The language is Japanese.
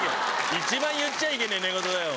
一番言っちゃいけない寝言だよ。